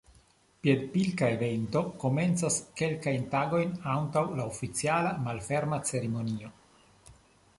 Piedpilka evento komencas kelkajn tagojn antaŭ la oficiala malferma ceremonio.